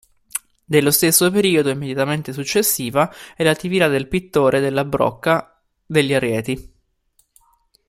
Dello stesso periodo o immediatamente successiva è l'attività del Pittore della Brocca degli arieti.